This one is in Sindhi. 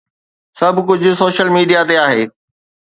سڀ ڪجهه سوشل ميڊيا تي آهي